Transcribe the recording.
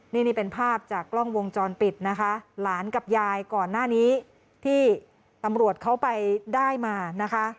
นี่นี่เป็นภาพจากกล้องวงจรปิดนะคะหลานกับยายก่อนหน้านี้ที่ตำรวจเขาไปได้มานะคะ